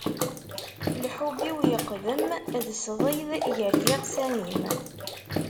Lḥubb-iw yeqdem d sḍid gar yiɣsan-im.